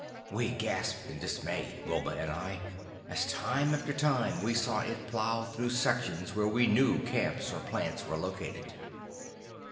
We gasped in dismay, Wilma and I, as time after time we saw it plough through sections where we knew camps or plants were located.